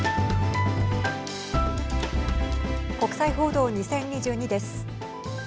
国際報道２０２２です。